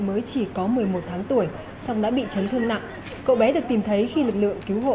mới chỉ có một mươi một tháng tuổi xong đã bị chấn thương nặng cậu bé được tìm thấy khi lực lượng cứu hộ